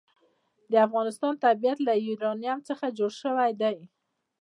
د افغانستان طبیعت له یورانیم څخه جوړ شوی دی.